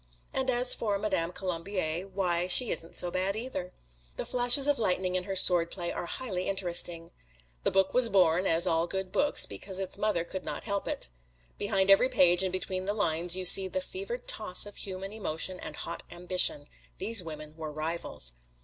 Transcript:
And as for Madame Columbier, why she isn't so bad, either! The flashes of lightning in her swordplay are highly interesting. The book was born, as all good books, because its mother could not help it. Behind every page and between the lines you see the fevered toss of human emotion and hot ambition these women were rivals.